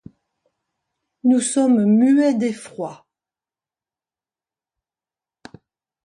Nous sommes muets d’effroi.